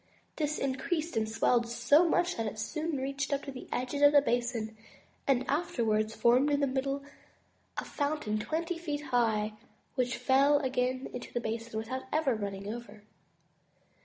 This increased and swelled so much that it soon reached up to the edges of the basin, and afterwards formed in the middle a fountain twenty feet high, which fell again into the basin without running over.